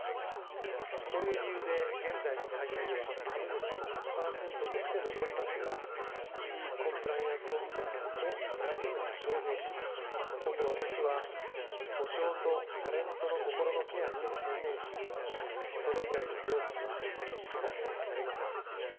そういう理由で現在の会社には株主１００％として残りますがチーフコンプライアンスオフィサーを外部から招聘し今後、私は補償とタレントの心のケアに専念しそれ以外の業務には一切当たりません。